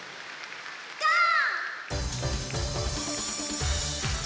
ゴー！